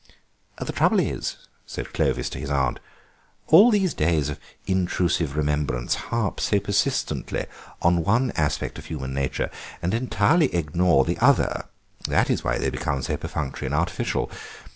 "The trouble is," said Clovis to his aunt, "all these days of intrusive remembrance harp so persistently on one aspect of human nature and entirely ignore the other; that is why they become so perfunctory and artificial.